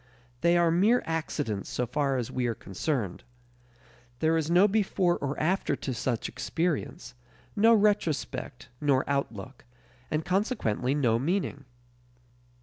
They are mere accidents so far as we are concerned. There is no before or after to such experience; no retrospect nor outlook, and consequently no meaning.